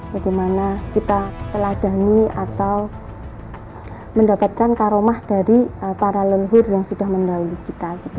bagaimana kita teladani atau mendapatkan karomah dari para leluhur yang sudah mendahulu kita